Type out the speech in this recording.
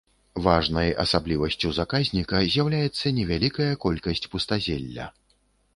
Важнай асаблівасцю заказніка з'яўляецца невялікая колькасць пустазелля.